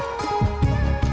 liat dong liat